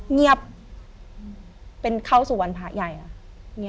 เงียบเป็นเข้าสู่วันพระใหญ่ค่ะ